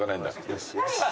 よしよし。